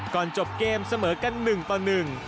ก่อนจบเกมเสมอกันหนึ่งต่อหนึ่ง